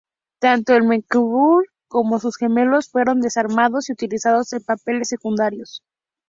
Tanto el "Mecklenburg" como sus gemelos fueron desarmados y utilizados en papeles secundarios.